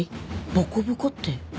ボコボコって